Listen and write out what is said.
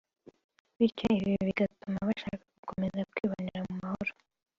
bityo ibi bigatuma bashaka gukomeza kwibanira mu mahoro